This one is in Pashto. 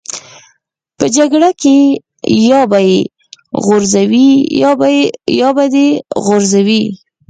په جګړه کې یا به یې غورځوې یا به دې غورځوي